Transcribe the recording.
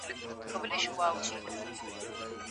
د زده کړي حق د هر ماشوم دی.